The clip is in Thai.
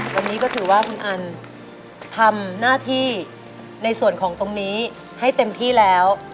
วันนี้ก็ถือว่าคุณอันทำหน้าที่ในส่วนของตรงนี้ให้เต็มที่แล้ว